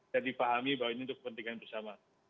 dan dipahami bahwa ini untuk kepentingan bersama